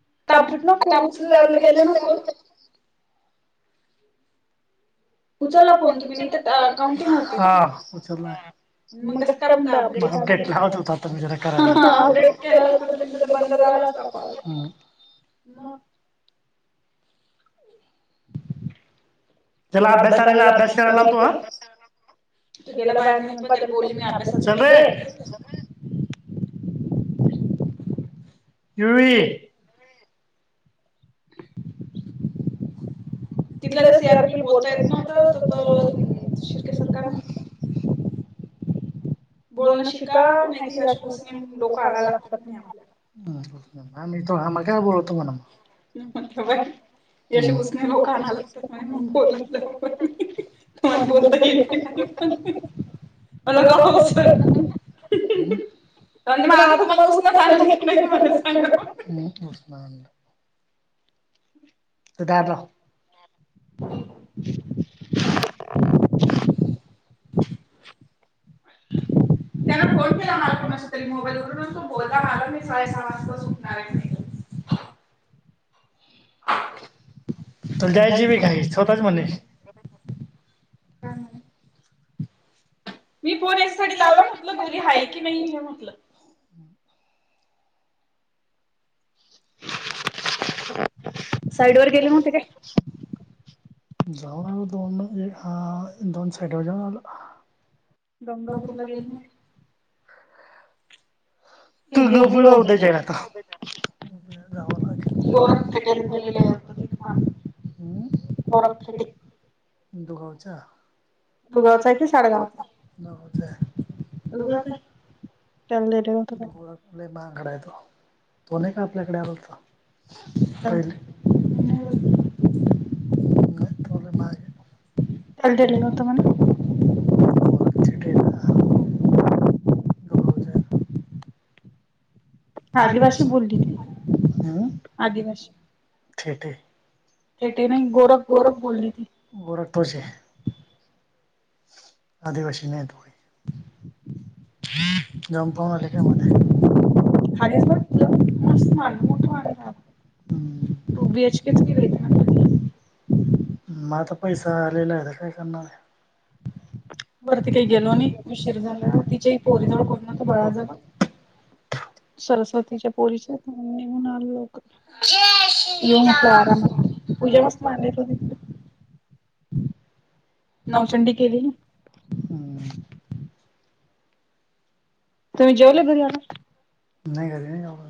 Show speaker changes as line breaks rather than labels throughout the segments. [inaudible] उचलला फोन तुमी अ काउंटिंग होतंय. म कस काय म्हणतात आपली कामे कसं अपडेट केल्यावर बंदच दाकवतय. ला असता कॉल
म
चला अभ्यासाला लागा चला लवकर अभ्यास तो गेला बाहेर निघून तात्याला बोलली मी अभ्यासा
हम्म
तिथल्या ज्या सीआरपी ला बोलता येत नव्हत तर तो हम्म ते सर काय म्हणत [unintelligible]
बोलणं शिका नाही ते अशी बसून डोकं अडाय लागतात म्हण आपल ओ अमाला काय बोलावताय म्हणावं ही अशी उसने लोक आणाय लागतात म्हने बोलत म बोलता येत नाही मला [inaudible] काय हौस आला होय म्हणजे मजा कडन तूमाला उसन आणायला लागतं [inaudible] ते दार लाव
[inaudible]
त्यांन फोन केला मला कुणाच्या तरी मोबाईल तो बोलता मला मी साडे सहा वाजता सुटणार आहे म्हणे चल जायची बी घाई स्वतःच म्हणे मी फोन याच्यासाठी लावा म्हटल घरी आहे की नाही हे म्हटलं साईड वर गेले नव्हते काय जाऊन आलो दोन एक आ दोन साईडवर जाऊन आलो
गंगापूरला गेली नाई
तू गप ना उद्या जाऊ आता गोरम खेटत [inaudible] हम्म गौरव खेडे तुमचा गावचा दुगावचा आहे क साडगावचा दुगाव
[inaudible]
गोकुळाकुले माहाघडाय तो तो नाही का आपल्याकडे आला होता
अ मी नाही बगितलं
[inaudible] आदिवासी थेट नाही गोरत गोर बोल बोर तो आदिवास नाहीे तो जाऊन पाहून आलंय म्हणा
[inaudible] बी एच केच केली
म आता पैसा आलेला आहे तर काय करणार आहे.
वरती काही गेलो नई उशीर झाला तिच्या हि पोरी जवळ कोण न बळाज [inaudible] सरस्वतीच्या पोरीच्या निघून आलो लवकर येऊन आपल्या आरामात फुल मस्त आलेत हो तिथली.
नवचंडी केली. हम्म.
तुम्ही जेवले घरी आणून?
नाही घरी नाहि जाऊ आ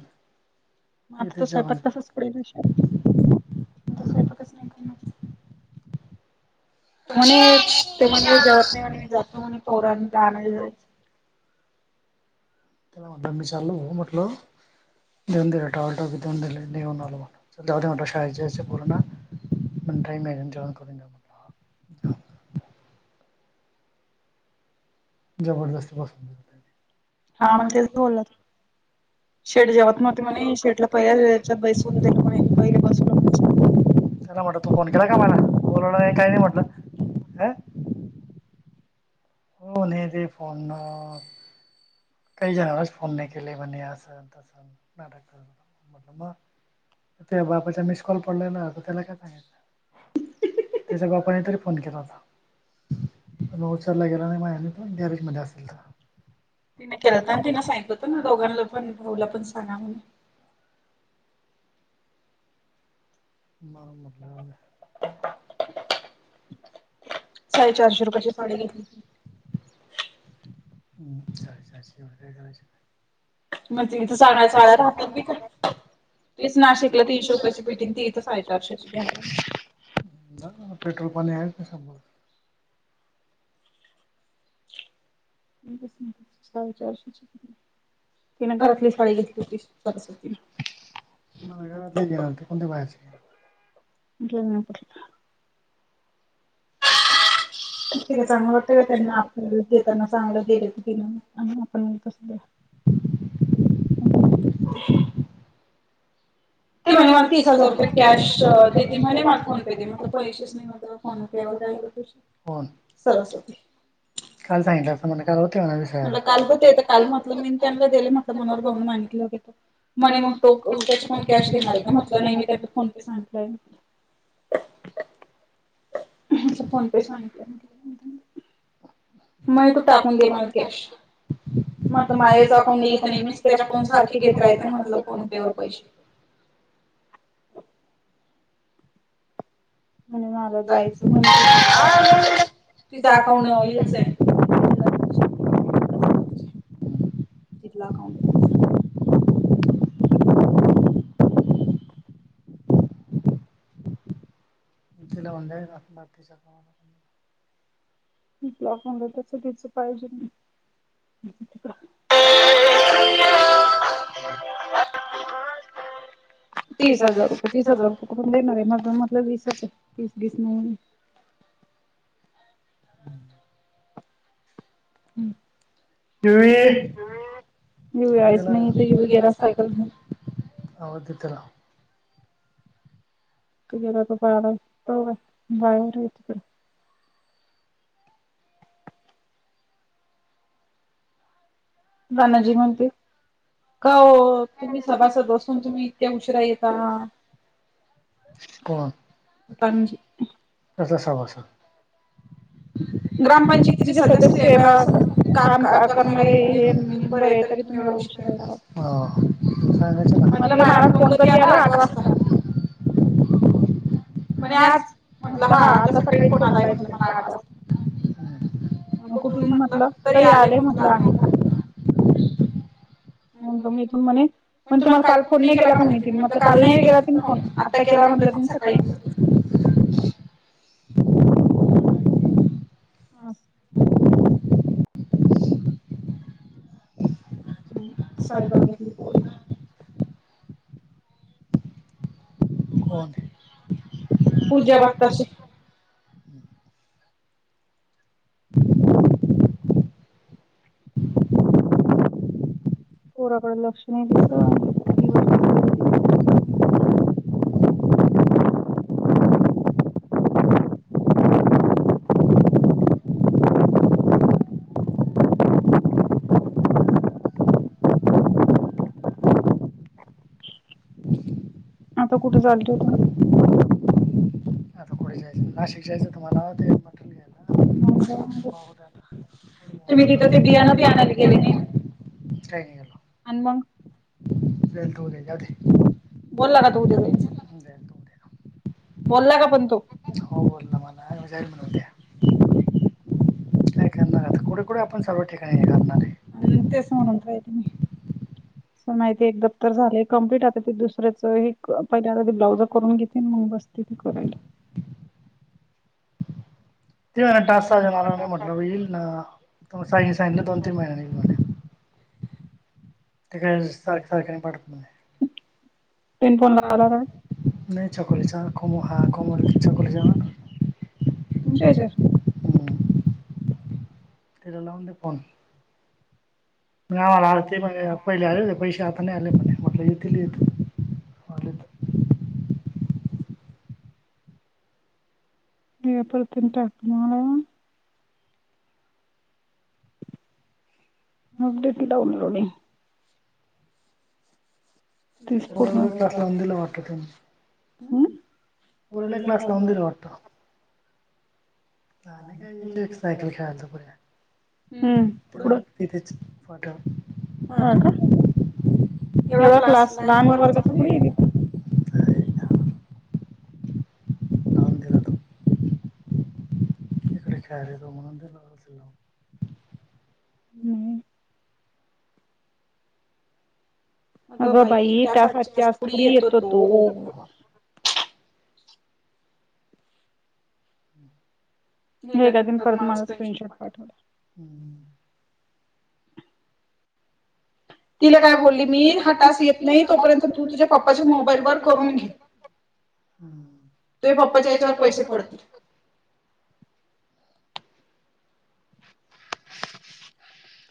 आता त स्वयपाक तसच पडेल. आता सैपाकच नाही करणार. त म्हणे ते म्हणे जेवत नाही म्हणे जातो पोरना आणायला.
त्याला म्हटलं मी चाललो भू म्हटलं [unintelligible] जवनंदरा टा टा नल सहाय्य पण [unintelligible] म्हणा मॅॉन करून म्हण [unintelligible]
[inaudible]
जबरदस्त पसंत
हा म ते बोललात.
शेट जेवत म तुम् शेडला [unintelligible] पहिैस देत प त्याला म्हटलं तू फोन केला का माला बोलावलं नाही काही नाही म्हटलं हं हो नाही ते फोन काही जणांनाच फोन नाही केले म्हणे अस न असं तस नाटक म्हटलं म त्या बापाचा मिसकॉल पडलाय त ना त्याला काय सांगायच. त्याचा बापाने तरी फोन केला होता. उचारला गेला नाही माझ पण गॅरेज मध्ये असेल तर तिने केलता तिने सांगितलं होतं न दोघांना पण भाऊला पण सांगा म्हणे. म मटल. साडेचारशे रुपयाची साडी घेतलीकी. हम्म [unintelligible] चा व करायच मण तथ साग चाळत होतात बी का [unintelligible] तीच नाशिकला तीनशे रुपयाची भेटी ती साडेचारशे ची घ्या पेट्रोल पाणी आहेच नाही [unintelligible] सांभ
साडेचारशेची. तिने घरात नेसायला घेतली होती [unintelligible]
मला घरात गे ते कोणते बाहेरचे
इ पुर [unintelligible] ठी काय चांगलं वाटतं का त्यांना आपल्या देताना चांगलं गलं हो आपणस [unintelligible] हम. ते म्हण मला तीस हजार रुपये कॅश म मला [unintelligible] फोन पे म पैसेच नाही मगला फोन पे व का
कोण? सरस्वती. काल सांगितलं अस का होते काल हो काल म्हटलं मी त्यांना दिले म्हटलं मनावर बघ [unintelligible] मग तो [unintelligible] कॅश देणार का म्हटलं नाही मी त्यांना फोन पे सांगितलंय.
असं फोन पे सांगितलं म्हटलं मी त्यांना. मया तू टाकून देणार कॅश. म्हटलं मायेच अकाउंट येऊ पर्यंत मीच तिचे सारखें फोन घेत राहायचे म्हंटले फोन पे वर पैसे. म्हणल मला जायचं. तीच अकाउंट येतंय. तिथलं अकाउंट.
[unintelligible]
[unintelligible] त्याच तच पाहिजे मी अ [inaudible] तीस हजार रुपये तीस हजार रुपये कुठून देणार आहे म्हणून हंटल वीसचं आहे. तीस बीस नाय. हम्. ह ह्. स नाही त य वगैर सायकल.
आवाज डे त्याला
[unintelligible] गानाजी म्हणते. का हो तुम्ही सभासद बसून तुम्ही इतक्या उशिरा येता.
कोण कसला सभासद ग्रामपंचायतीचे सदस्य आहे बा अस काम करणारे हे. बरायं तुम्ही एवढ उशिरा येताय.
म्हटलं मला फोन कधी आला आठ वाजता म्हणे आज म्हटलं हा आता सकाळी फोन आलाय म्हणजे मला आठ वाजता. कुटुंब म्हटलं तरी आले म्हटलं आहे. म इथून म्हणे म तुम्हाला काल फोन नाही केला का म काल नाही केला त फोन आता केला. म्हधलं तुमचं काही
[inaudible]
हम् सायकल घेतली पोरीला.
कोन?
पूजा बत्तासे.
[inaudible]
पोराकडे लक्ष नाही तीच [unintelligible] हम्. आता कुठे चाललं होते मग
ना शिकायचं तुम्हाला ते म्हटल. [unintelligible] तुमी तिथं बियाणं पेरण्यांना गेलायना. ट्रेनिंग ला. हा मग जाल तू जाउदे बोला का तू [unintelligible]
बोलला का पण तो
हो बोल ना जाईल म्हंटला उद्या कायं करणार आपण कुठे कुठ? पण सर्व ठिकाणी हे करणारेय.
[inaudible] पण माहिती एकदा तर झाले कम्प्लीट आता ते दुसर्याचं पहिले आता ब्लाउज करून घेते मग बसते. [unintelligible]
ती टास्क अजून आला नाही म्हटलं होईल ना साई सांगितला दोन तीन महिन्या नी येईल म ते काय सारखं सारखं नाही पाठत. नाही चोकलेचा कोम हहा कोमल चोकलेच्या
तुमच्या याच्यावर
त्याला लावून दे फोन. नाय मला आलते म पहिले आलेले पैसे आले पण म्हटलं इकडनं येतील आलेत.
नेपल तेन टाक माला. [unintelligible]
त्या पोरालाच तास लावून दिलं वाटेतून पोरीलही क्लास लावुन दिलं वाटतं. नाही काय या एक सायकल खेळायचं पुढं तिथेच. हा का एवढा क्लासला आणि वर्गचा पण येत.
[unintelligible]
विचार येतो म्हणून त्याला असेल [unintelligible]
अगं बाई त्यासाठी आज थोडी येतो तो एकदा त्याने परत मला स्क्रीनशॉट पाठवला. तिला काय बोलली मी हा टास्क येत नाही तोपर्यंत तू तुझ्या पप्पाच्या मोबाईल वर करून घे. तुया पप्पा हयाच्यावर पैसे पडतील.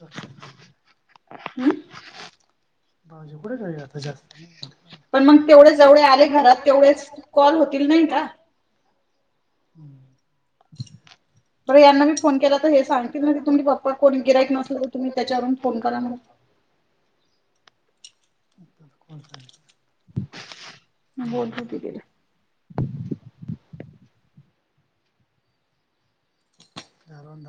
हम्म बाजू कुठं काही आता जास्त नाय येत ना. पण मग तेवढे एवढे आले घरात तेवढेच कॉल होतील विय का? हम्म तर यांना मी फोन केला तर ते हे सांगित ना तुमचे पप्पा कोण गिराइक नस तुम्ही त्याच्यावरून फोन करा म्हणून [unintelligible]
मी बोलते की तिला
यांरोंडा